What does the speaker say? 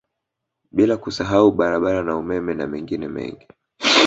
Bila kusahau barabara na umeme na mengine mengi